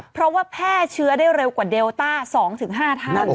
เพราะว่าแพร่เชื้อได้เร็วกว่าเดลต้า๒๕เท่า